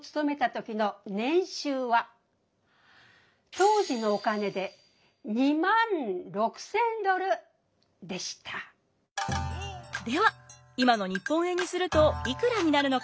雪洲がでは今の日本円にするといくらになるのか？